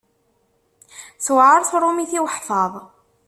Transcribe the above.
Tuɛeṛ tṛumit i weḥfaḍ.